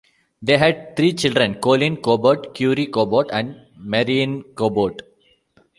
They had three children: Colin Cabot, Currie Cabot, and Marianne Cabot.